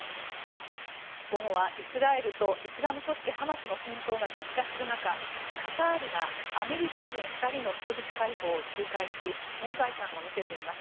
午後は、イスラエルとイスラム組織ハマスの戦闘が激化する中カタールがアメリカ人２人の人質解放を仲介し、存在感を見せています。